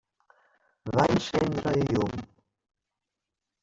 Va encendre el llum.